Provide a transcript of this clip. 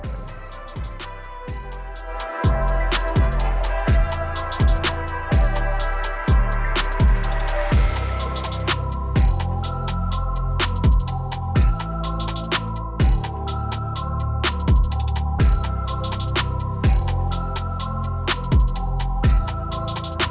โปรดติดตามตอนต่อไป